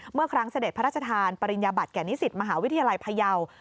เมื่อครั้งเสด็จพระราชทานปริญญาบัติแก่นิสิตมหาวิทยาลัยพยาว